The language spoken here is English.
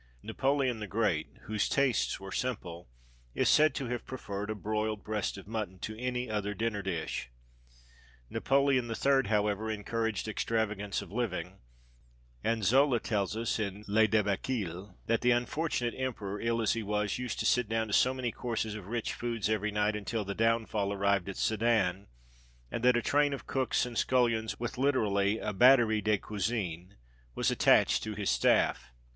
Napoleon the Great, whose tastes were simple, is said to have preferred a broiled breast of mutton to any other dinner dish. Napoleon III., however, encouraged extravagance of living; and Zola tells us in Le Débâcle that the unfortunate emperor, ill as he was, used to sit down to so many courses of rich foods every night until "the downfall" arrived at Sédan, and that a train of cooks and scullions with (literally) a "batterie" de cuisine, was attached to his staff.